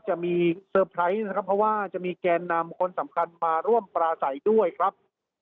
จะมีเซอร์ไพรส์นะครับเพราะว่าจะมีแกนนำคนสำคัญมาร่วมปราศัยด้วยครับ